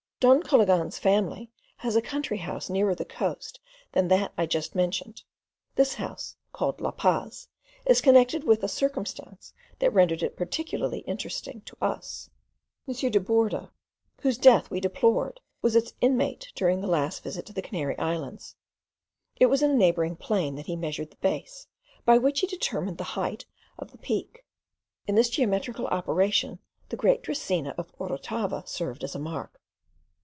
Don Cologan's family has a country house nearer the coast than that I have just mentioned. This house, called La Paz, is connected with a circumstance that rendered it peculiarly interesting to us. M. de Borda, whose death we deplored, was its inmate during his last visit to the Canary Islands. It was in a neighbouring plain that he measured the base, by which he determined the height of the Peak. In this geometrical operation the great dracaena of Orotava served as a mark.